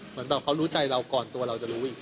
เหมือนแบบเขารู้ใจเราก่อนตัวเราจะรู้อีก